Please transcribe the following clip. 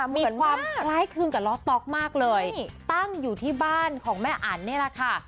มีความคล้ายคลึงกับล้อต๊อกมากเลยตั้งอยู่ที่บ้านของแม่อันนี่แหละค่ะ